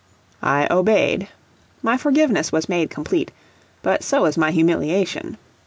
I obeyed. My forgiveness was made complete, but so was my humiliation.